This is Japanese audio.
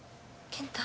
健太？